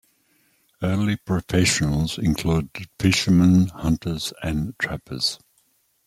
Early professions included fishermen, hunters and trappers.